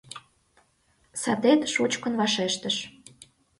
Садет шучкын вашештыш: